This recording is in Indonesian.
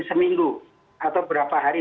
seminggu atau berapa hari